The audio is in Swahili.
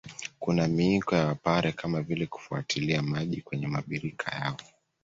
Kuna miiko ya Wapare kama vile kufuatilia maji kwenye mabirika yao